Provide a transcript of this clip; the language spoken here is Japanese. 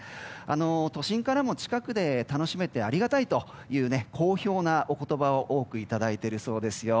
都心からも近くて楽しめてありがたいと好評なお言葉を多くいただいているそうですよ。